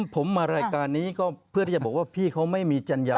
ผมมารายการนี้ก็เพื่อที่จะบอกว่าพี่เขาไม่มีจัญญา